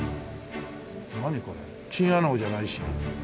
何これチンアナゴじゃないし。